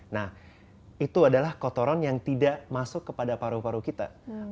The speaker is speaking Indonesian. nah itu adalah kotoran yang tidak masuk kepada paru paru kita